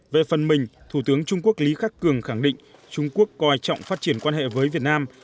về phần mình thủ tướng trung quốc lý khắc cường khẳng định trung quốc coi trọng phát triển quan hệ với việt nam